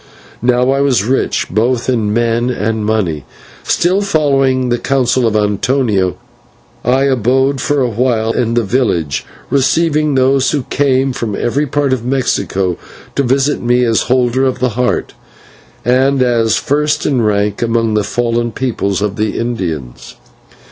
Now I was rich, both in men and money, still, following the counsel of Antonio, I abode for a while in the village, receiving those who came from every part of Mexico to visit me as Holder of the Heart, and as first in rank among the fallen peoples of the Indians.